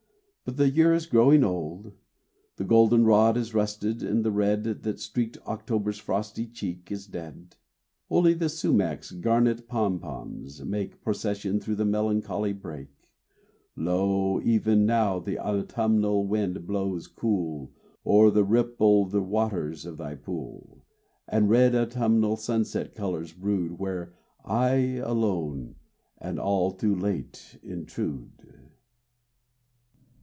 But the year is growing old: The golden rod is rusted, and the red That streaked October's frosty cheek is dead; Only the sumach's garnet pompons make Procession through the melancholy brake. Lo! even now the autumnal wind blows cool Over the rippled waters of thy pool, And red autumnal sunset colors brood Where I alone and all too late intrude.